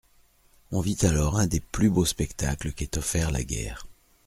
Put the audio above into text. On vit alors un des plus beaux spectacles qu'aient offerts la guerre.